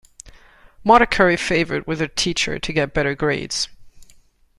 Marta curry favored with her teacher to get better grades.